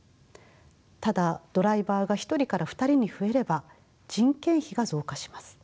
ただドライバーが１人から２人に増えれば人件費が増加します。